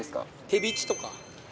テビチとか。